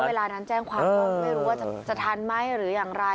เวลานั้นแจ้งความก็ไม่รู้ว่าจะทันไหมหรืออย่างไร